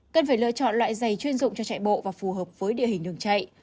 cần phải lựa chọn loại dày chuyên dụng cho chạy bộ và phù hợp với địa hình đường chạy